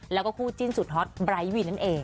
แล้วก็คู่จิ้นสุดฮอตไบร์ทวินนั่นเอง